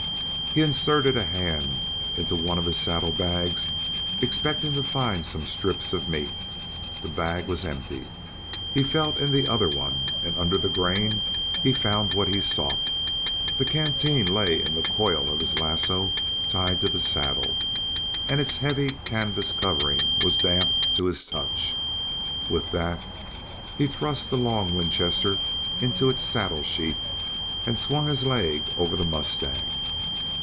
He inserted a hand into one of his saddle bags expecting to find some strips of meat. The bag was empty. He felt in the other one, and under the grain he found what he sought. The canteen lay in the coil of his lasso tied to the saddle, and its heavy canvas covering was damp to his touch. With that he thrust the long Winchester into its saddle sheath, and swung his leg over the mustang.